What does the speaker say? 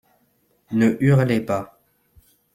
Ne hurlez pas.